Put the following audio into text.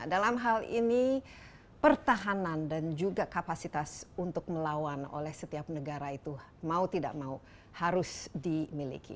dalam hal ini pertahanan dan juga kapasitas untuk melawan oleh setiap negara itu mau tidak mau harus dimiliki